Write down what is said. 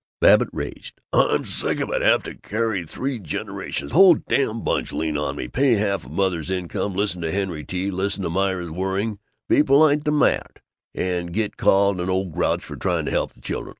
Babbitt raged, "I'm sick of it! Having to carry three generations. Whole damn bunch lean on me. Pay half of mother's income, listen to Henry T., listen to Myra's worrying, be polite to Mart, and get called an old grouch for trying to help the children.